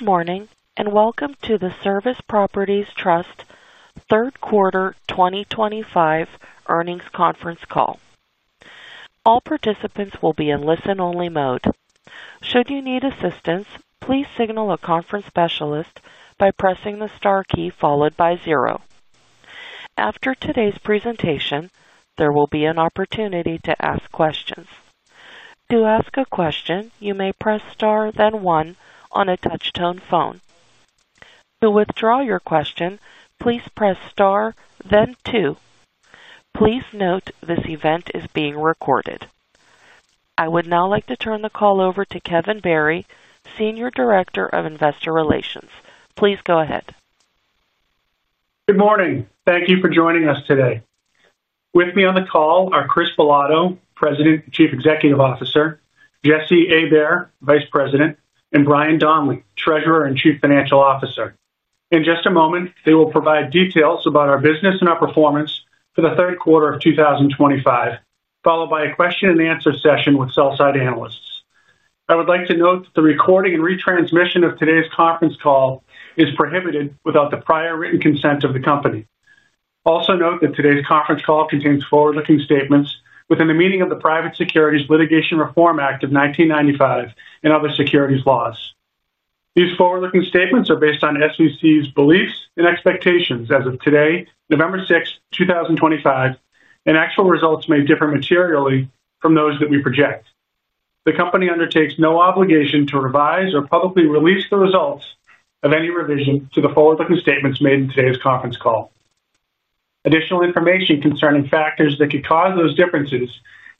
Good morning and welcome to the Service Properties Trust third quarter 2025 earnings conference call. All participants will be in listen-only mode. Should you need assistance, please signal a conference specialist by pressing the star key followed by zero. After today's presentation, there will be an opportunity to ask questions. To ask a question, you may press star, then one on a touch-tone phone. To withdraw your question, please press star, then two. Please note this event is being recorded. I would now like to turn the call over to Kevin Barry, Senior Director of Investor Relations. Please go ahead. Good morning. Thank you for joining us today. With me on the call are Chris Bilotto, President and Chief Executive Officer; Jesse Abair, Vice President; and Brian Donley, Treasurer and Chief Financial Officer. In just a moment, they will provide details about our business and our performance for the third quarter of 2025, followed by a question-and-answer session with sell-side analysts. I would like to note that the recording and retransmission of today's conference call is prohibited without the prior written consent of the company. Also note that today's conference call contains forward-looking statements within the meaning of the Private Securities Litigation Reform Act of 1995 and other securities laws. These forward-looking statements are based on Service Properties Trust's beliefs and expectations as of today, November 6, 2025, and actual results may differ materially from those that we project. The company undertakes no obligation to revise or publicly release the results of any revision to the forward-looking statements made in today's conference call. Additional information concerning factors that could cause those differences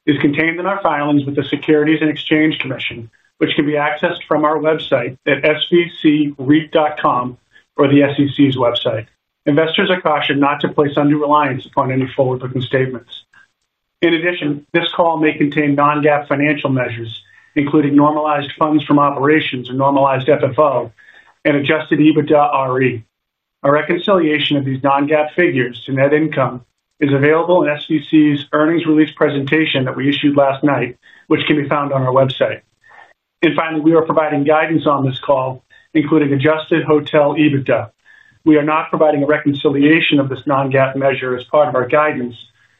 is contained in our filings with the Securities and Exchange Commission, which can be accessed from our website at svcreit.com or the SEC's website. Investors are cautioned not to place undue reliance upon any forward-looking statements. In addition, this call may contain non-GAAP financial measures, including normalized funds from operations or normalized FFO and adjusted EBITDA RE. A reconciliation of these non-GAAP figures to net income is available in SEC's earnings release presentation that we issued last night, which can be found on our website. Finally, we are providing guidance on this call, including adjusted hotel EBITDA. We are not providing a reconciliation of this non-GAAP measure as part of our guidance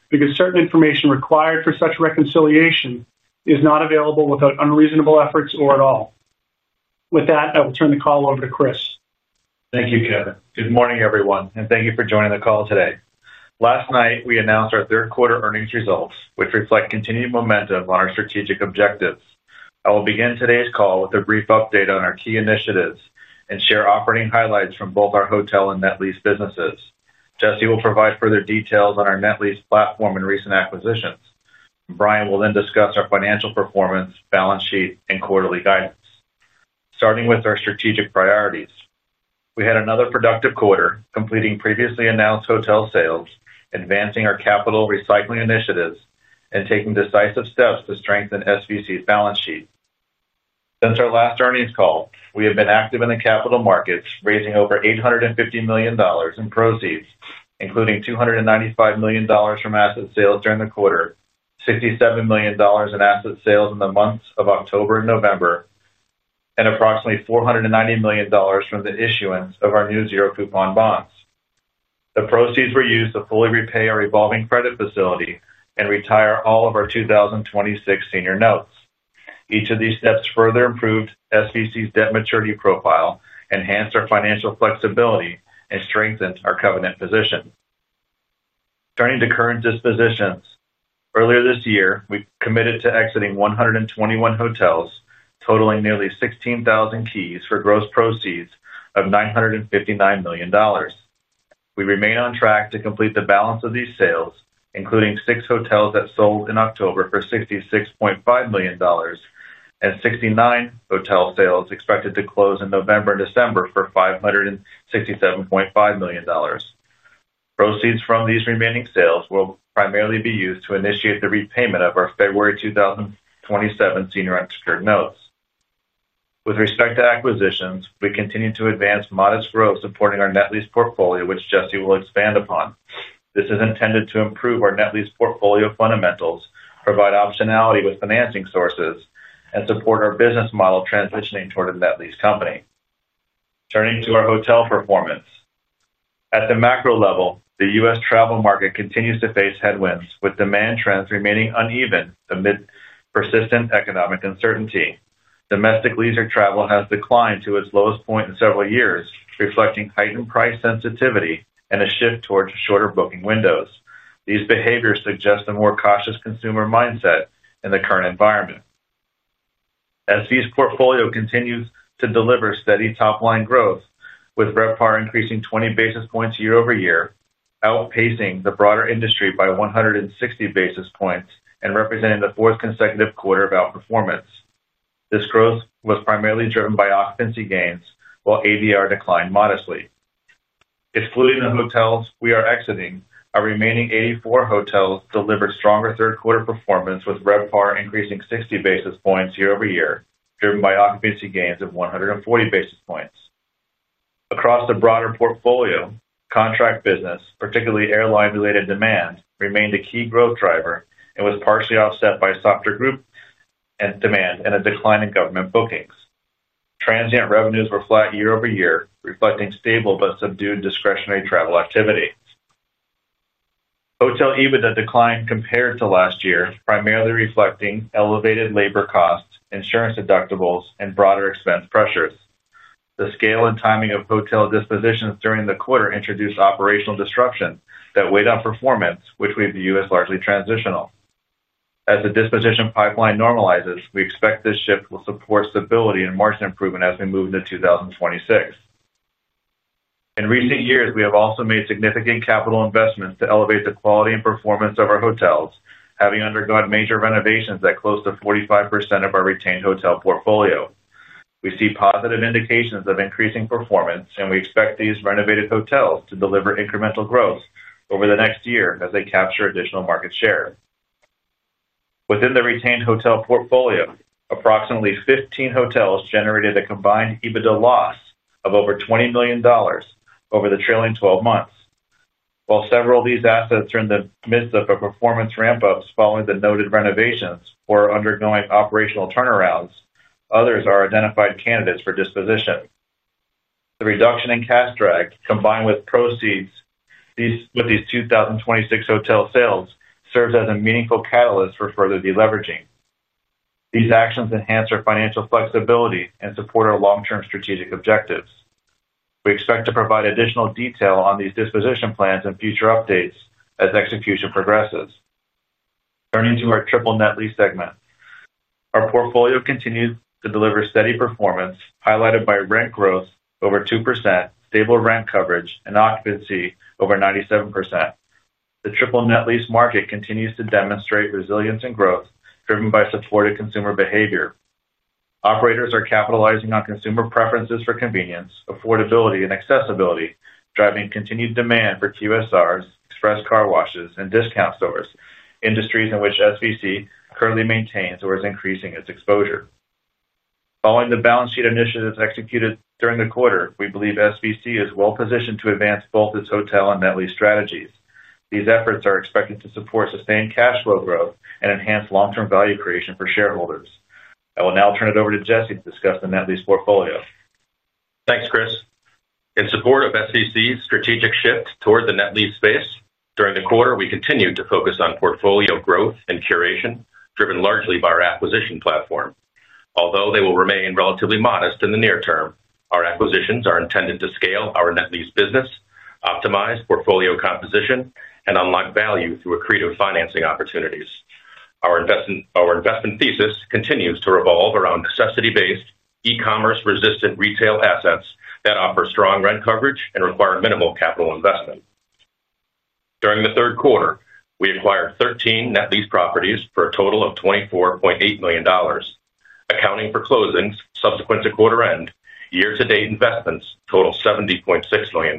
because certain information required for such reconciliation is not available without unreasonable efforts or at all. With that, I will turn the call over to Chris. Thank you, Kevin. Good morning, everyone, and thank you for joining the call today. Last night, we announced our third quarter earnings results, which reflect continued momentum on our strategic objectives. I will begin today's call with a brief update on our key initiatives and share operating highlights from both our hotel and net lease businesses. Jesse will provide further details on our net lease platform and recent acquisitions. Brian will then discuss our financial performance, balance sheet, and quarterly guidance. Starting with our strategic priorities, we had another productive quarter, completing previously announced hotel sales, advancing our capital recycling initiatives, and taking decisive steps to strengthen SVC's balance sheet. Since our last earnings call, we have been active in the capital markets, raising over $850 million in proceeds, including $295 million from asset sales during the quarter, $67 million in asset sales in the months of October and November. Approximately $490 million from the issuance of our new zero-coupon bonds. The proceeds were used to fully repay our revolving credit facility and retire all of our 2026 senior notes. Each of these steps further improved SVC's debt maturity profile, enhanced our financial flexibility, and strengthened our covenant position. Turning to current dispositions, earlier this year, we committed to exiting 121 hotels, totaling nearly 16,000 keys for gross proceeds of $959 million. We remain on track to complete the balance of these sales, including six hotels that sold in October for $66.5 million, and 69 hotel sales expected to close in November and December for $567.5 million. Proceeds from these remaining sales will primarily be used to initiate the repayment of our February 2027 senior unsecured notes. With respect to acquisitions, we continue to advance modest growth supporting our net lease portfolio, which Jesse will expand upon. This is intended to improve our net lease portfolio fundamentals, provide optionality with financing sources, and support our business model transitioning toward a net lease company. Turning to our hotel performance, at the macro level, the U.S. travel market continues to face headwinds, with demand trends remaining uneven amid persistent economic uncertainty. Domestic leisure travel has declined to its lowest point in several years, reflecting heightened price sensitivity and a shift towards shorter booking windows. These behaviors suggest a more cautious consumer mindset in the current environment. SVC's portfolio continues to deliver steady top-line growth, with RevPAR increasing 20 basis points year over year, outpacing the broader industry by 160 basis points and representing the fourth consecutive quarter of outperformance. This growth was primarily driven by occupancy gains, while ADR declined modestly. Excluding the hotels we are exiting, our remaining 84 hotels delivered stronger third-quarter performance, with RevPAR increasing 60 basis points year over year, driven by occupancy gains of 140 basis points. Across the broader portfolio, contract business, particularly airline-related demand, remained a key growth driver and was partially offset by softer group demand and a decline in government bookings. Transient revenues were flat year over year, reflecting stable but subdued discretionary travel activity. Hotel EBITDA declined compared to last year, primarily reflecting elevated labor costs, insurance deductibles, and broader expense pressures. The scale and timing of hotel dispositions during the quarter introduced operational disruptions that weighed on performance, which we view as largely transitional. As the disposition pipeline normalizes, we expect this shift will support stability and margin improvement as we move into 2026. In recent years, we have also made significant capital investments to elevate the quality and performance of our hotels, having undergone major renovations at close to 45% of our retained hotel portfolio. We see positive indications of increasing performance, and we expect these renovated hotels to deliver incremental growth over the next year as they capture additional market share. Within the retained hotel portfolio, approximately 15 hotels generated a combined EBITDA loss of over $20 million over the trailing 12 months. While several of these assets are in the midst of performance ramp-ups following the noted renovations or undergoing operational turnarounds, others are identified candidates for disposition. The reduction in cash drag, combined with proceeds from these 2026 hotel sales, serves as a meaningful catalyst for further deleveraging. These actions enhance our financial flexibility and support our long-term strategic objectives. We expect to provide additional detail on these disposition plans and future updates as execution progresses. Turning to our triple net lease segment. Our portfolio continues to deliver steady performance, highlighted by rent growth over 2%, stable rent coverage, and occupancy over 97%. The triple net lease market continues to demonstrate resilience and growth, driven by supportive consumer behavior. Operators are capitalizing on consumer preferences for convenience, affordability, and accessibility, driving continued demand for QSRs, express car washes, and discount stores, industries in which SVC currently maintains or is increasing its exposure. Following the balance sheet initiatives executed during the quarter, we believe SVC is well-positioned to advance both its hotel and net lease strategies. These efforts are expected to support sustained cash flow growth and enhance long-term value creation for shareholders. I will now turn it over to Jesse to discuss the net lease portfolio. Thanks, Chris. In support of SVC's strategic shift toward the net lease space, during the quarter, we continue to focus on portfolio growth and curation, driven largely by our acquisition platform. Although they will remain relatively modest in the near term, our acquisitions are intended to scale our net lease business, optimize portfolio composition, and unlock value through accretive financing opportunities. Our investment thesis continues to revolve around necessity-based, e-commerce-resistant retail assets that offer strong rent coverage and require minimal capital investment. During the third quarter, we acquired 13 net lease properties for a total of $24.8 million. Accounting for closings subsequent to quarter-end, year-to-date investments total $70.6 million.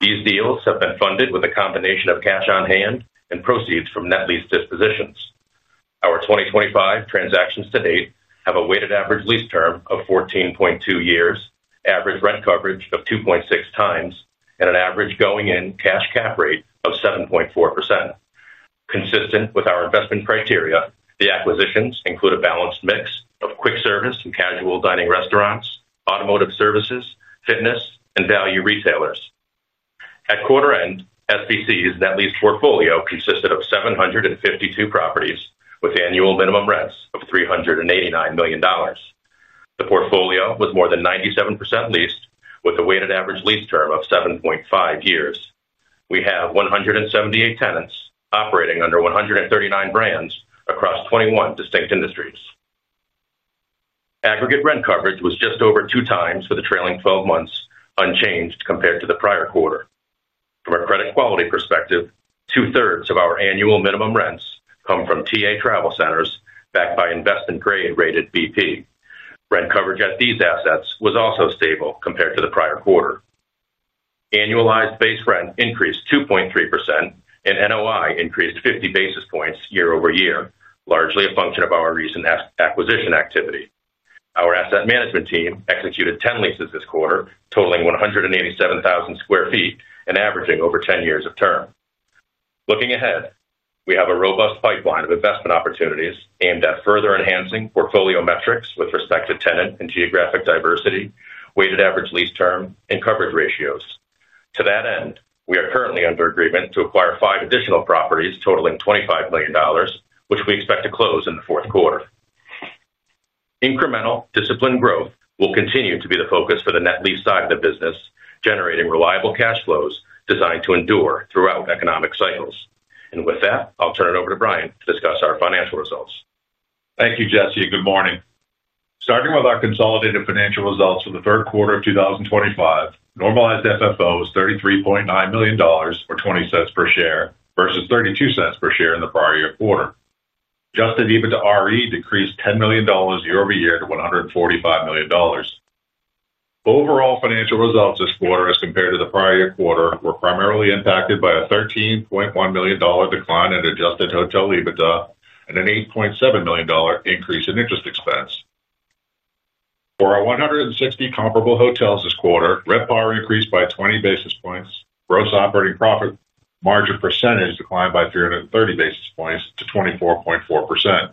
These deals have been funded with a combination of cash on hand and proceeds from net lease dispositions. Our 2025 transactions to date have a weighted average lease term of 14.2 years, average rent coverage of 2.6x, and an average going-in cash cap rate of 7.4%. Consistent with our investment criteria, the acquisitions include a balanced mix of quick-service and casual dining restaurants, automotive services, fitness, and value retailers. At quarter-end, SVC's net lease portfolio consisted of 752 properties with annual minimum rents of $389 million. The portfolio was more than 97% leased, with a weighted average lease term of 7.5 years. We have 178 tenants operating under 139 brands across 21 distinct industries. Aggregate rent coverage was just over two times for the trailing 12 months, unchanged compared to the prior quarter. From a credit quality perspective, two-thirds of our annual minimum rents come from TA TravelCenters backed by investment-grade rated BP. Rent coverage at these assets was also stable compared to the prior quarter. Annualized base rent increased 2.3%, and NOI increased 50 basis points year over year, largely a function of our recent acquisition activity. Our asset management team executed 10 leases this quarter, totaling 187,000 sq ft and averaging over 10 years of term. Looking ahead, we have a robust pipeline of investment opportunities aimed at further enhancing portfolio metrics with respect to tenant and geographic diversity, weighted average lease term, and coverage ratios. To that end, we are currently under agreement to acquire five additional properties totaling $25 million, which we expect to close in the fourth quarter. Incremental disciplined growth will continue to be the focus for the net lease side of the business, generating reliable cash flows designed to endure throughout economic cycles. I'll turn it over to Brian to discuss our financial results. Thank you, Jesse. Good morning. Starting with our consolidated financial results for the third quarter of 2025, normalized FFO is $33.9 million or $0.20 per share versus $0.32 per share in the prior year quarter. Adjusted EBITDA RE decreased $10 million year over year to $145 million. Overall financial results this quarter, as compared to the prior year quarter, were primarily impacted by a $13.1 million decline in adjusted hotel EBITDA and an $8.7 million increase in interest expense. For our 160 comparable hotels this quarter, RevPAR increased by 20 basis points. Gross operating profit margin percentage declined by 330 basis points to 24.4%.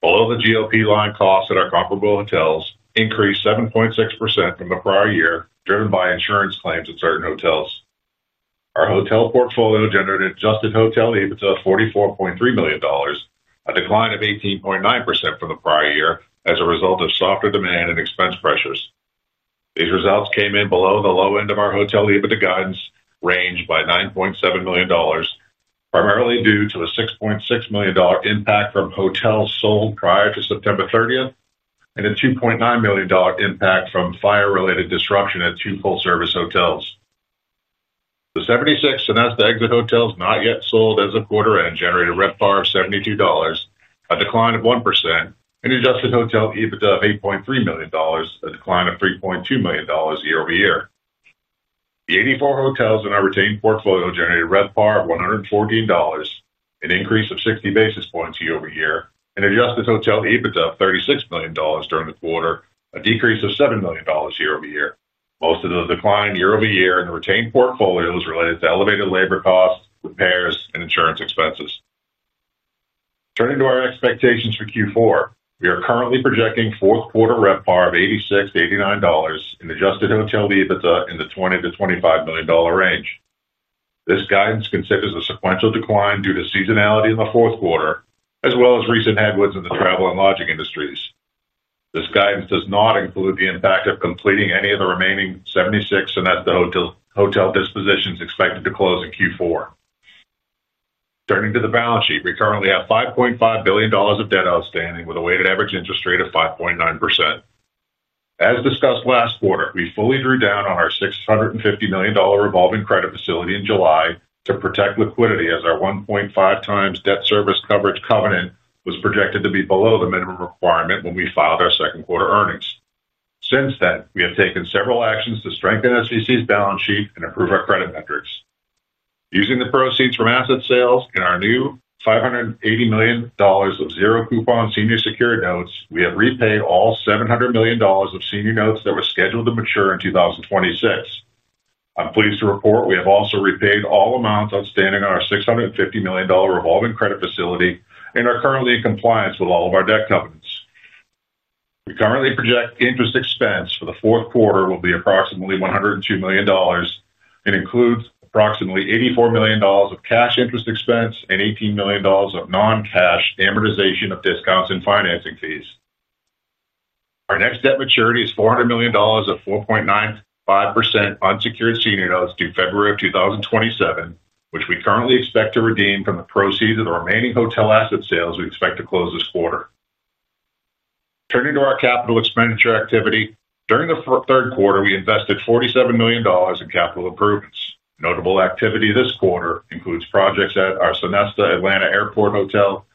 Below the GOP line, costs at our comparable hotels increased 7.6% from the prior year, driven by insurance claims at certain hotels. Our hotel portfolio generated adjusted hotel EBITDA of $44.3 million, a decline of 18.9% from the prior year as a result of softer demand and expense pressures. These results came in below the low end of our hotel EBITDA guidance, ranged by $9.7 million. Primarily due to a $6.6 million impact from hotels sold prior to September 30 and a $2.9 million impact from fire-related disruption at two full-service hotels. The 76 domestic exit hotels not yet sold as of quarter-end generated RevPAR of $72, a decline of 1%, and adjusted hotel EBITDA of $8.3 million, a decline of $3.2 million year over year. The 84 hotels in our retained portfolio generated RevPAR of $114, an increase of 60 basis points year over year, and adjusted hotel EBITDA of $36 million during the quarter, a decrease of $7 million year over year. Most of the decline year over year in the retained portfolio is related to elevated labor costs, repairs, and insurance expenses. Turning to our expectations for Q4, we are currently projecting fourth-quarter RevPAR of $86-$89 and adjusted hotel EBITDA in the $20 million-$25 million range. This guidance considers a sequential decline due to seasonality in the fourth quarter, as well as recent headwinds in the travel and lodging industries. This guidance does not include the impact of completing any of the remaining 76 domestic hotel dispositions expected to close in Q4. Turning to the balance sheet, we currently have $5.5 billion of debt outstanding with a weighted average interest rate of 5.9%. As discussed last quarter, we fully drew down on our $650 million revolving credit facility in July to protect liquidity as our 1.5 times debt service coverage covenant was projected to be below the minimum requirement when we filed our second quarter earnings. Since then, we have taken several actions to strengthen SVC's balance sheet and improve our credit metrics. Using the proceeds from asset sales and our new $580 million of zero-coupon senior secured notes, we have repaid all $700 million of senior notes that were scheduled to mature in 2026. I'm pleased to report we have also repaid all amounts outstanding on our $650 million revolving credit facility and are currently in compliance with all of our debt covenants. We currently project interest expense for the fourth quarter will be approximately $102 million. It includes approximately $84 million of cash interest expense and $18 million of non-cash amortization of discounts and financing fees. Our next debt maturity is $400 million of 4.95% unsecured senior notes due February of 2027, which we currently expect to redeem from the proceeds of the remaining hotel asset sales we expect to close this quarter. Turning to our capital expenditure activity, during the third quarter, we invested $47 million in capital improvements. Notable activity this quarter includes projects at our Sonesta Atlanta Airport Hotel,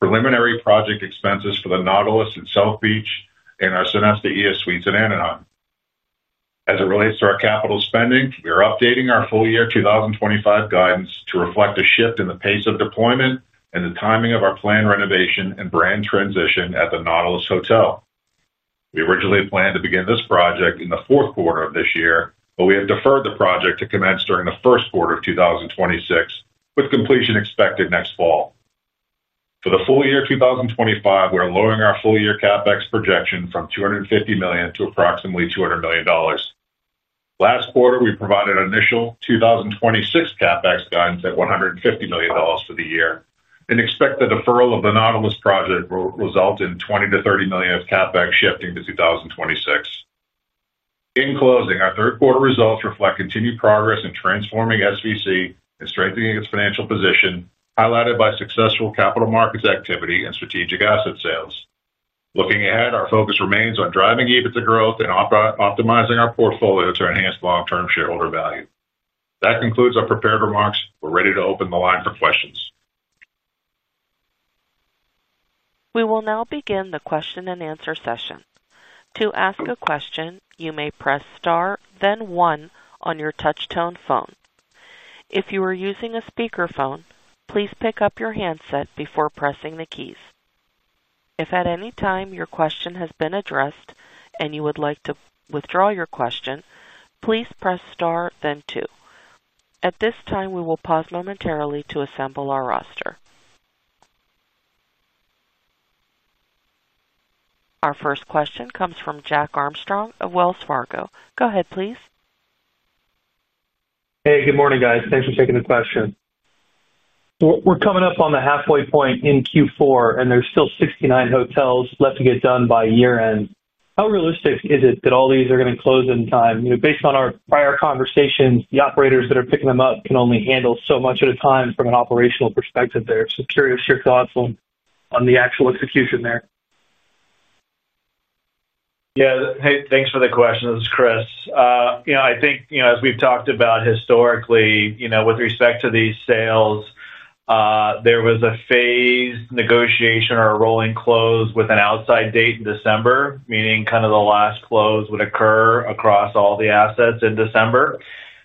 preliminary project expenses for the Nautilus and South Beach, and our Sonesta ES Suites in Anaheim. As it relates to our capital spending, we are updating our full year 2025 guidance to reflect a shift in the pace of deployment and the timing of our planned renovation and brand transition at the Nautilus Hotel. We originally planned to begin this project in the fourth quarter of this year, but we have deferred the project to commence during the first quarter of 2026, with completion expected next fall. For the full year 2025, we are lowering our full year CapEx projection from $250 million to approximately $200 million. Last quarter, we provided initial 2026 CapEx guidance at $150 million for the year and expect the deferral of the Nautilus project will result in $20 million-$30 million of CapEx shifting to 2026. In closing, our third quarter results reflect continued progress in transforming SVC and strengthening its financial position, highlighted by successful capital markets activity and strategic asset sales. Looking ahead, our focus remains on driving EBITDA growth and optimizing our portfolio to enhance long-term shareholder value. That concludes our prepared remarks. We're ready to open the line for questions. We will now begin the question and answer session. To ask a question, you may press Star, then 1 on your touch-tone phone. If you are using a speakerphone, please pick up your handset before pressing the keys. If at any time your question has been addressed and you would like to withdraw your question, please press Star, then 2. At this time, we will pause momentarily to assemble our roster. Our first question comes from Jack Armstrong of Wells Fargo. Go ahead, please. Hey, good morning, guys. Thanks for taking the question. We're coming up on the halfway point in Q4, and there's still 69 hotels left to get done by year-end. How realistic is it that all these are going to close in time? Based on our prior conversations, the operators that are picking them up can only handle so much at a time from an operational perspective. I'm just curious your thoughts on the actual execution there. Yeah. Hey, thanks for the question. This is Chris. I think, as we've talked about historically, with respect to these sales. There was a phased negotiation or a rolling close with an outside date in December, meaning kind of the last close would occur across all the assets in December.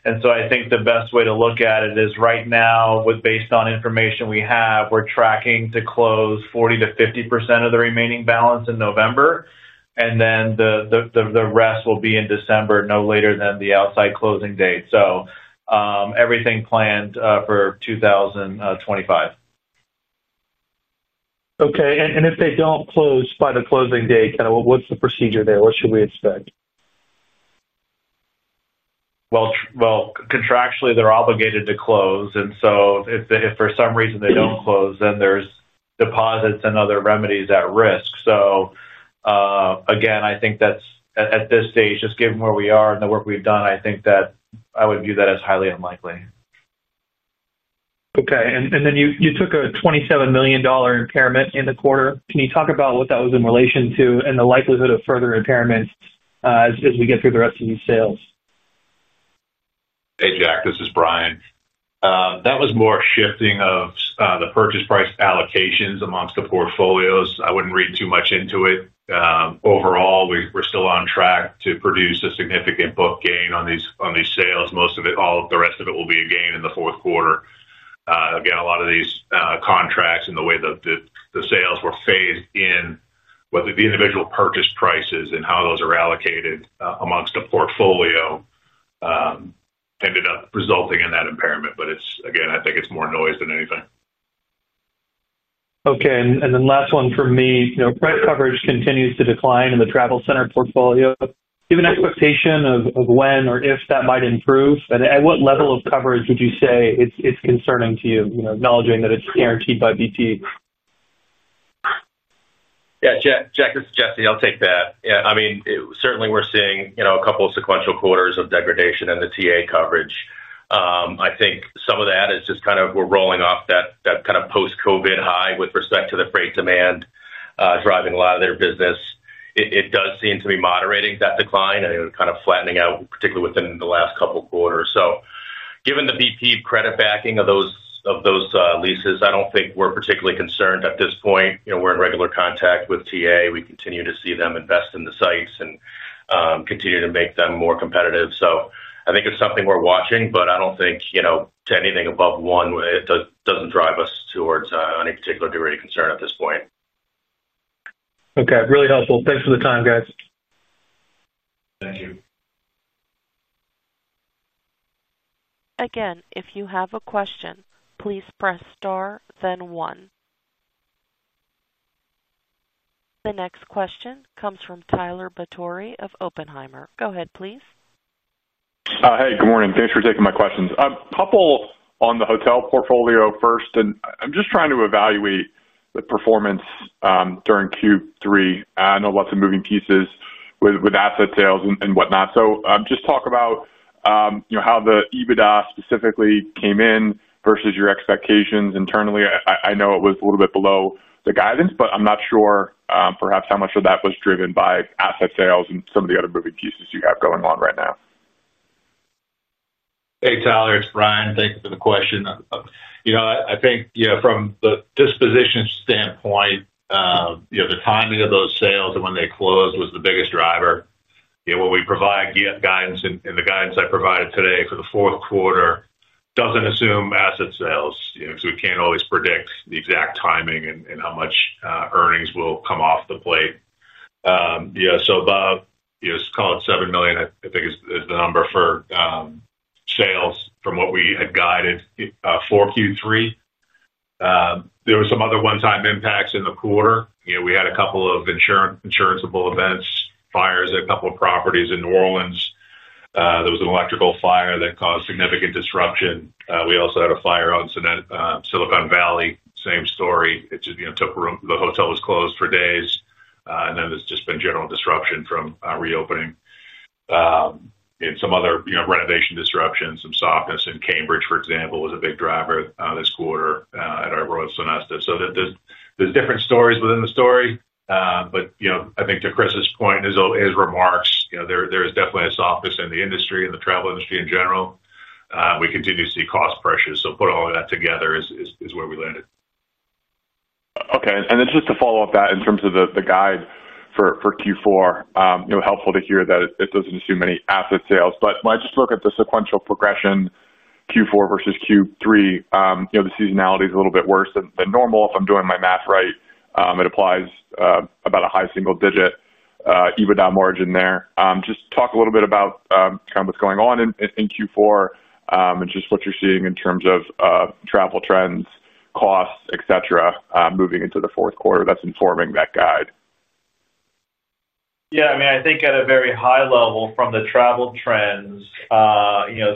I think the best way to look at it is right now, based on information we have, we're tracking to close 40%-50% of the remaining balance in November. The rest will be in December, no later than the outside closing date. Everything planned for 2025. Okay. If they do not close by the closing date, what is the procedure there? What should we expect? Contractually, they're obligated to close. If for some reason they don't close, then there's deposits and other remedies at risk. Again, I think that's at this stage, just given where we are and the work we've done, I think that I would view that as highly unlikely. Okay. You took a $27 million impairment in the quarter. Can you talk about what that was in relation to and the likelihood of further impairments as we get through the rest of these sales? Hey, Jack. This is Brian. That was more shifting of the purchase price allocations amongst the portfolios. I would not read too much into it. Overall, we are still on track to produce a significant book gain on these sales. Most of it, all of the rest of it will be a gain in the fourth quarter. Again, a lot of these contracts and the way that the sales were phased in, whether the individual purchase prices and how those are allocated amongst the portfolio, ended up resulting in that impairment. Again, I think it is more noise than anything. Okay. And then last one for me. Price coverage continues to decline in the travel center portfolio. Do you have an expectation of when or if that might improve? At what level of coverage would you say it's concerning to you, acknowledging that it's guaranteed by BP? Yeah. Jack, this is Jesse. I'll take that. Yeah. I mean, certainly we're seeing a couple of sequential quarters of degradation in the TA coverage. I think some of that is just kind of we're rolling off that kind of post-COVID high with respect to the freight demand driving a lot of their business. It does seem to be moderating that decline and kind of flattening out, particularly within the last couple of quarters. Given the BP credit backing of those leases, I don't think we're particularly concerned at this point. We're in regular contact with TA. We continue to see them invest in the sites and continue to make them more competitive. I think it's something we're watching, but I don't think to anything above one, it doesn't drive us towards any particular degree of concern at this point. Okay. Really helpful. Thanks for the time, guys. Thank you. Again, if you have a question, please press Star, then 1. The next question comes from Tyler Batory of Oppenheimer. Go ahead, please. Hey, good morning. Thanks for taking my questions. A couple on the hotel portfolio first. I'm just trying to evaluate the performance during Q3. I know lots of moving pieces with asset sales and whatnot. Just talk about how the EBITDA specifically came in versus your expectations internally. I know it was a little bit below the guidance, but I'm not sure perhaps how much of that was driven by asset sales and some of the other moving pieces you have going on right now. Hey, Tyler. It's Brian. Thank you for the question. I think from the disposition standpoint, the timing of those sales and when they closed was the biggest driver. When we provide guidance, and the guidance I provided today for the fourth quarter doesn't assume asset sales, because we can't always predict the exact timing and how much earnings will come off the plate. So above, let's call it $7 million, I think is the number for sales from what we had guided for Q3. There were some other one-time impacts in the quarter. We had a couple of insurable events, fires at a couple of properties in New Orleans. There was an electrical fire that caused significant disruption. We also had a fire in Silicon Valley. Same story. The hotel was closed for days. There has just been general disruption from reopening and some other renovation disruptions. Some softness in Cambridge, for example, was a big driver this quarter at our Royal Sonesta. There are different stories within the story. I think to Chris's point, his remarks, there is definitely a softness in the industry and the travel industry in general. We continue to see cost pressures. Put all of that together, that is where we landed. Okay. Just to follow up on that, in terms of the guide for Q4, helpful to hear that it does not assume any asset sales. When I look at the sequential progression, Q4 versus Q3, the seasonality is a little bit worse than normal. If I am doing my math right, it implies about a high single-digit EBITDA margin there. Just talk a little bit about kind of what is going on in Q4 and what you are seeing in terms of travel trends, costs, etc., moving into the fourth quarter that is informing that guide. Yeah. I mean, I think at a very high level from the travel trends,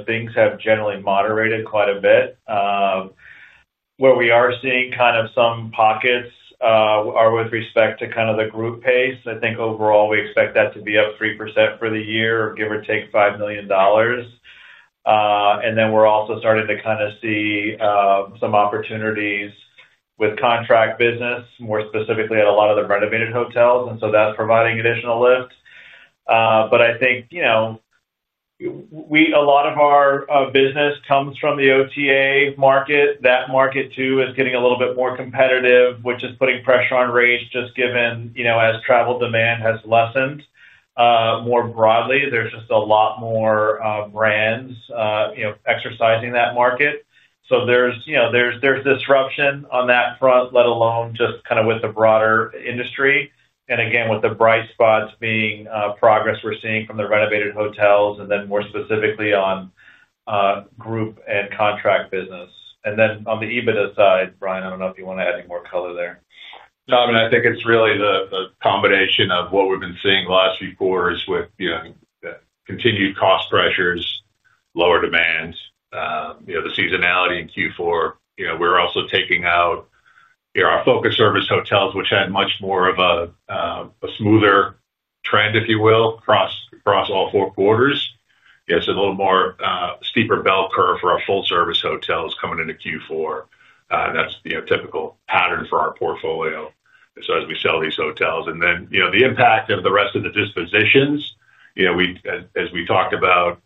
things have generally moderated quite a bit. Where we are seeing kind of some pockets are with respect to kind of the group pace. I think overall, we expect that to be up 3% for the year, give or take $5 million. Then we're also starting to kind of see some opportunities with contract business, more specifically at a lot of the renovated hotels. That is providing additional lift. I think a lot of our business comes from the OTA market. That market too is getting a little bit more competitive, which is putting pressure on rates just given as travel demand has lessened. More broadly, there is just a lot more brands exercising that market. There is disruption on that front, let alone just kind of with the broader industry. Again, with the bright spots being progress we're seeing from the renovated hotels and then more specifically on group and contract business. On the EBITDA side, Brian, I don't know if you want to add any more color there. No, I mean, I think it's really the combination of what we've been seeing the last few quarters with continued cost pressures, lower demands, the seasonality in Q4. We're also taking out our focus service hotels, which had much more of a smoother trend, if you will, across all four quarters. It's a little more steeper bell curve for our full-service hotels coming into Q4. That's a typical pattern for our portfolio. As we sell these hotels and then the impact of the rest of the dispositions, as we talked about,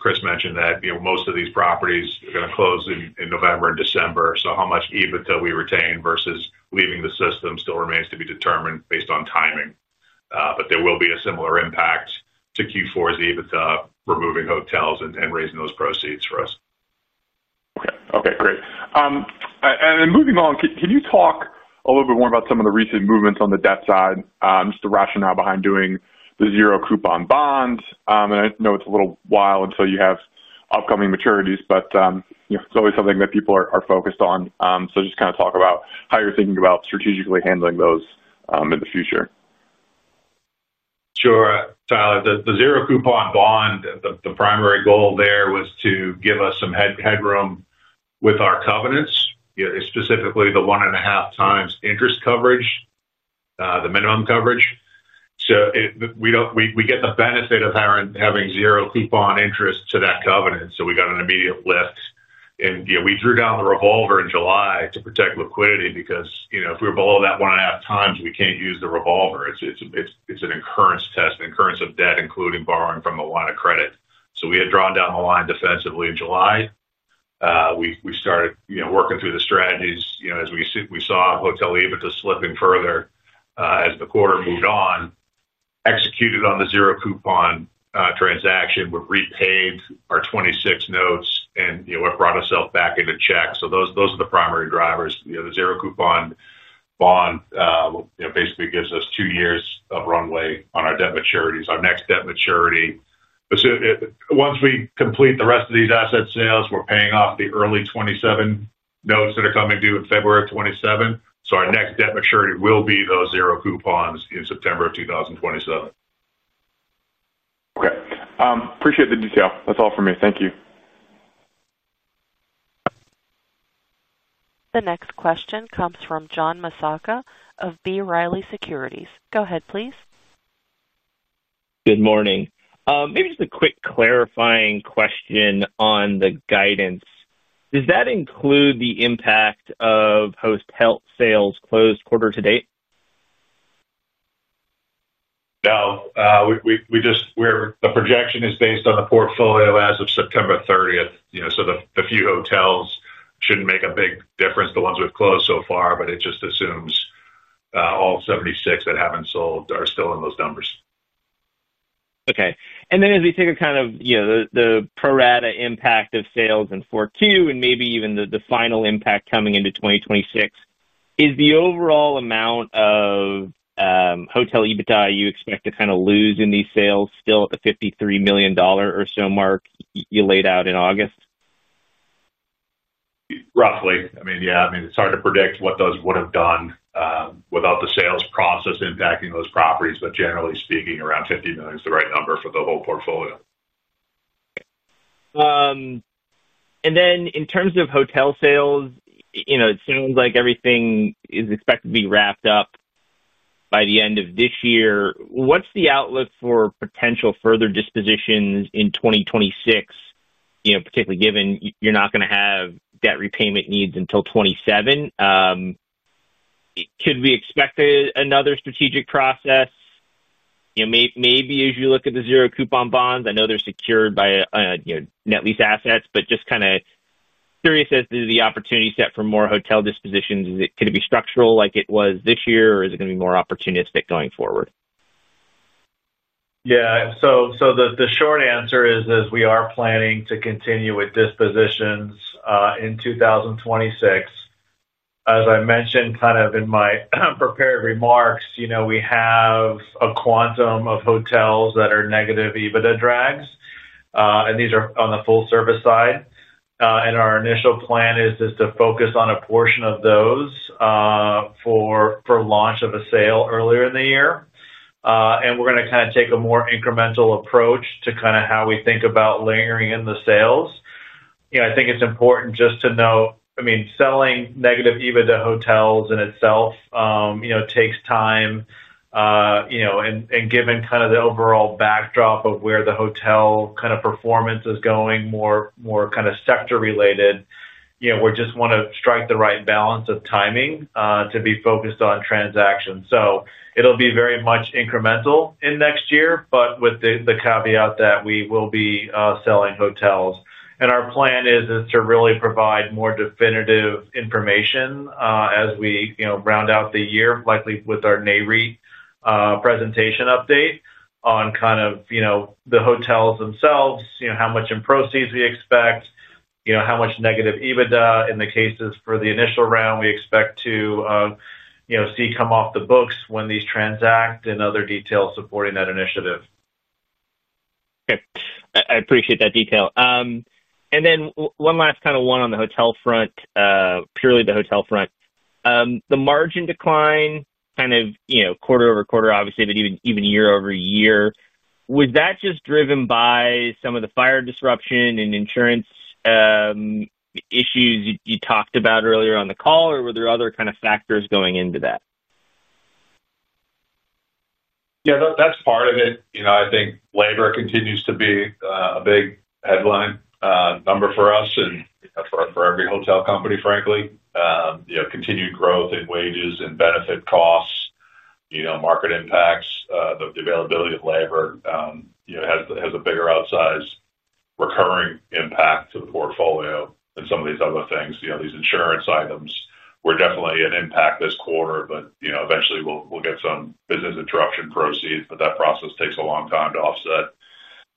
Chris mentioned that most of these properties are going to close in November and December. How much EBITDA we retain versus leaving the system still remains to be determined based on timing. There will be a similar impact to Q4's EBITDA removing hotels and raising those proceeds for us. Okay. Okay. Great. And then moving on, can you talk a little bit more about some of the recent movements on the debt side, just the rationale behind doing the zero-coupon bonds? And I know it's a little while until you have upcoming maturities, but it's always something that people are focused on. So just kind of talk about how you're thinking about strategically handling those in the future. Sure. Tyler, the zero-coupon bond, the primary goal there was to give us some headroom with our covenants, specifically the one and a half times interest coverage. The minimum coverage. We get the benefit of having zero-coupon interest to that covenant. We got an immediate lift. We drew down the revolver in July to protect liquidity because if we're below that one and a half times, we can't use the revolver. It's an incurrence test, incurrence of debt, including borrowing from the line of credit. We had drawn down the line defensively in July. We started working through the strategies as we saw hotel EBITDA slipping further as the quarter moved on. Executed on the zero-coupon transaction, we've repaid our 2026 notes and brought ourselves back into check. Those are the primary drivers. The zero-coupon. Bond basically gives us two years of runway on our debt maturities, our next debt maturity. Once we complete the rest of these asset sales, we're paying off the early 2027 notes that are coming due in February of 2027. Our next debt maturity will be those zero-coupons in September of 2027. Okay. Appreciate the detail. That's all from me. Thank you. The next question comes from John Masaka of B. Riley Securities. Go ahead, please. Good morning. Maybe just a quick clarifying question on the guidance. Does that include the impact of hotel sales closed quarter to date? No. The projection is based on the portfolio as of September 30th. So the few hotels shouldn't make a big difference, the ones we've closed so far, but it just assumes all 76 that haven't sold are still in those numbers. Okay. And then as we take a kind of the prorata impact of sales in fourth Q and maybe even the final impact coming into 2026, is the overall amount of hotel EBITDA you expect to kind of lose in these sales still at the $53 million or so mark you laid out in August? Roughly. I mean, yeah. I mean, it's hard to predict what those would have done without the sales process impacting those properties. Generally speaking, around $50 million is the right number for the whole portfolio. In terms of hotel sales, it sounds like everything is expected to be wrapped up by the end of this year. What is the outlook for potential further dispositions in 2026, particularly given you are not going to have debt repayment needs until 2027? Could we expect another strategic process, maybe as you look at the zero-coupon bonds? I know they are secured by net lease assets, but just kind of curious as to the opportunity set for more hotel dispositions. Is it going to be structural like it was this year, or is it going to be more opportunistic going forward? Yeah. The short answer is we are planning to continue with dispositions in 2026. As I mentioned in my prepared remarks, we have a quantum of hotels that are negative EBITDA drags. These are on the full-service side. Our initial plan is to focus on a portion of those for launch of a sale earlier in the year. We are going to take a more incremental approach to how we think about layering in the sales. I think it is important just to note, I mean, selling negative EBITDA hotels in itself takes time. Given the overall backdrop of where the hotel performance is going, more sector-related, we just want to strike the right balance of timing to be focused on transactions. It'll be very much incremental in next year, but with the caveat that we will be selling hotels. Our plan is to really provide more definitive information as we round out the year, likely with our NAREIT presentation update on kind of the hotels themselves, how much in proceeds we expect, how much negative EBITDA in the cases for the initial round we expect to see come off the books when these transact, and other details supporting that initiative. Okay. I appreciate that detail. Then one last kind of one on the hotel front. Purely the hotel front. The margin decline kind of quarter over quarter, obviously, but even year over year, was that just driven by some of the fire disruption and insurance issues you talked about earlier on the call, or were there other kind of factors going into that? Yeah. That's part of it. I think labor continues to be a big headline number for us and for every hotel company, frankly. Continued growth in wages and benefit costs. Market impacts, the availability of labor. Has a bigger outsized recurring impact to the portfolio and some of these other things. These insurance items were definitely an impact this quarter, but eventually we'll get some business interruption proceeds, but that process takes a long time to offset.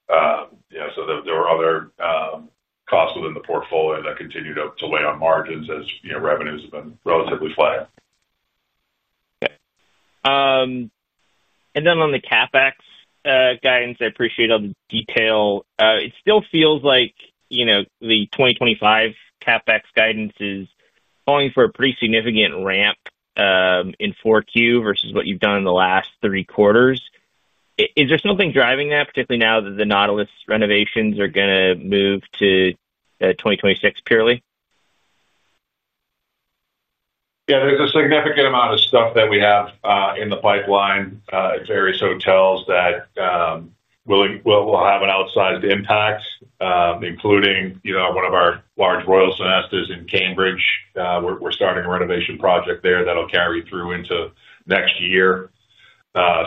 There were other costs within the portfolio that continued to weigh on margins as revenues have been relatively flat. Okay. On the CapEx guidance, I appreciate all the detail. It still feels like the 2025 CapEx guidance is calling for a pretty significant ramp in fourth quarter versus what you've done in the last three quarters. Is there something driving that, particularly now that the Nautilus renovations are going to move to 2026 purely? Yeah. There's a significant amount of stuff that we have in the pipeline at various hotels that will have an outsized impact, including one of our large Royal Sonesta in Cambridge. We're starting a renovation project there that'll carry through into next year.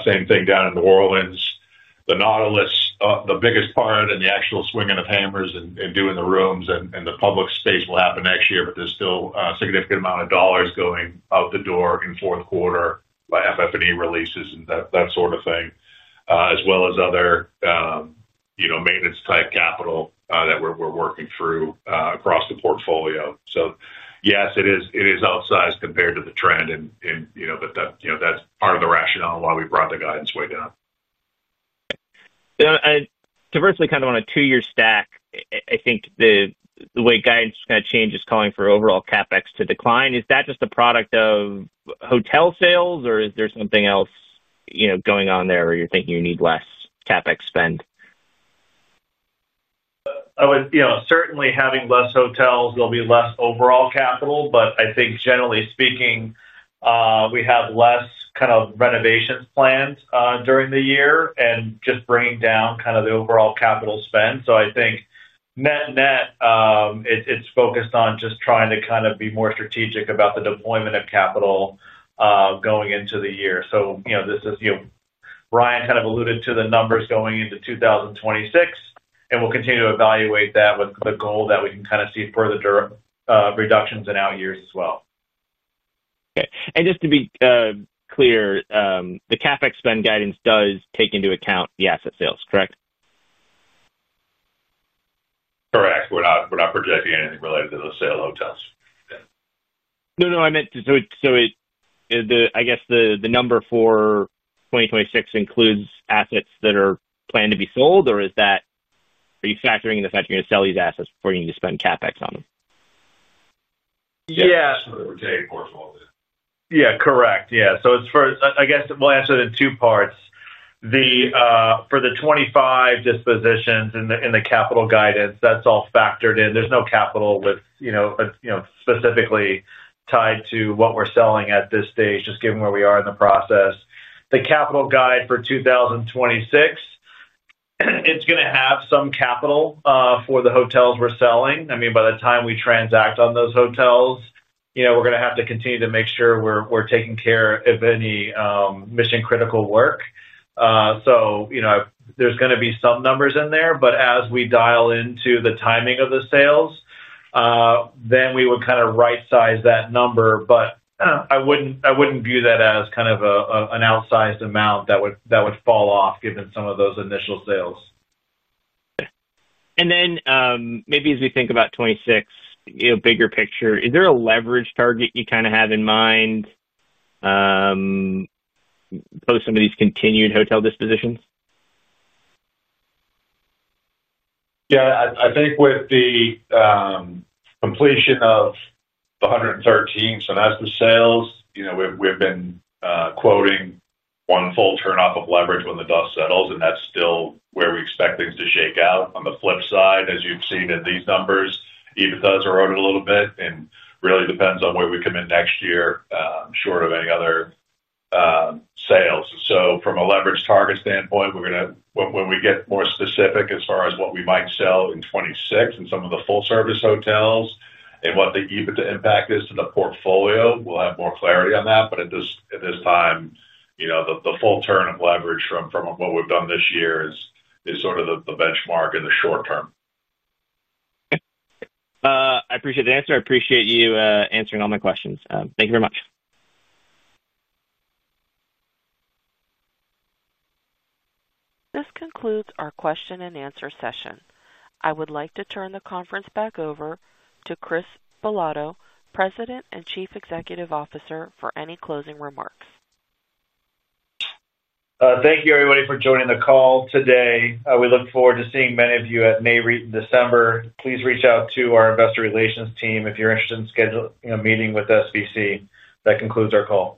Same thing down in New Orleans. The Nautilus, the biggest part and the actual swinging of hammers and doing the rooms and the public space will happen next year, but there's still a significant amount of dollars going out the door in fourth quarter by FF&E releases and that sort of thing, as well as other maintenance-type capital that we're working through across the portfolio. Yes, it is outsized compared to the trend, but that's part of the rationale why we brought the guidance way down. Conversely, kind of on a two-year stack, I think the way guidance is going to change is calling for overall CapEx to decline. Is that just a product of hotel sales, or is there something else going on there where you're thinking you need less CapEx spend? Certainly, having less hotels, there'll be less overall capital, but I think generally speaking, we have less kind of renovations planned during the year and just bringing down kind of the overall capital spend. I think, net net, it's focused on just trying to kind of be more strategic about the deployment of capital going into the year. This is, Brian kind of alluded to the numbers going into 2026, and we'll continue to evaluate that with the goal that we can kind of see further reductions in out years as well. Okay. Just to be clear, the CapEx spend guidance does take into account the asset sales, correct? Correct. We're not projecting anything related to the sale of hotels. No, no. I meant, so. I guess the number for 2026 includes assets that are planned to be sold, or are you factoring in the fact you're going to sell these assets before you need to spend CapEx on them? Yeah. Yeah. That's what we're taking foreclosure. Yeah. Correct. Yeah. I guess we'll answer it in two parts. For the 2025 dispositions in the capital guidance, that's all factored in. There's no capital specifically tied to what we're selling at this stage, just given where we are in the process. The capital guide for 2026 is going to have some capital for the hotels we're selling. I mean, by the time we transact on those hotels, we're going to have to continue to make sure we're taking care of any mission-critical work. There's going to be some numbers in there, but as we dial into the timing of the sales, we would kind of right-size that number. I wouldn't view that as kind of an outsized amount that would fall off given some of those initial sales. Okay. And then maybe as we think about 2026, bigger picture, is there a leverage target you kind of have in mind. Post some of these continued hotel dispositions? Yeah. I think with the completion of the 113 Sonesta sales, we've been quoting one full turn-off of leverage when the dust settles, and that's still where we expect things to shake out. On the flip side, as you've seen in these numbers, EBITDA has eroded a little bit and really depends on where we come in next year short of any other sales. From a leverage target standpoint, when we get more specific as far as what we might sell in 2026 and some of the full-service hotels and what the EBITDA impact is to the portfolio, we'll have more clarity on that. At this time, the full turn of leverage from what we've done this year is sort of the benchmark in the short term. Okay. I appreciate the answer. I appreciate you answering all my questions. Thank you very much. This concludes our question-and-answer session. I would like to turn the conference back over to Chris Bilotto, President and Chief Executive Officer, for any closing remarks. Thank you, everybody, for joining the call today. We look forward to seeing many of you at NAREIT in December. Please reach out to our investor relations team if you're interested in scheduling a meeting with us. That concludes our call.